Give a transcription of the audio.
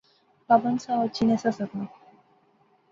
پابند سا، او اچھی نہسا سکنا